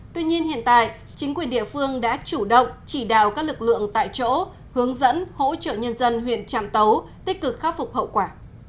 tuy nhiên hiện tại chính quyền địa phương đã chủ động chỉ đạo các lực lượng tại chỗ hướng dẫn hỗ trợ nhân dân huyện trạm tấu tích cực khắc phục hậu quả